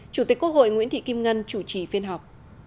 chủ tịch quốc hội nguyễn thị kim ngân chủ trì phiên họp